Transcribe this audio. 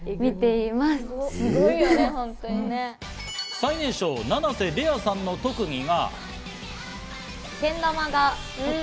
最年少、七瀬れあさんの特技が。